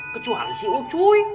kecuali si ucuy